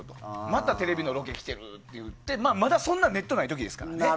またテレビのロケ来てるっていって、そんなにネットとかない時ですからね。